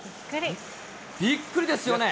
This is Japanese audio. びっくりですよね。